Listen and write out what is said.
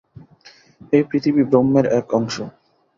এই পৃথিবী ব্রহ্মের এক অংশ।